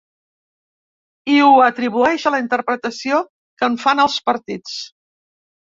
I ho atribueix a la interpretació que en fan els partits.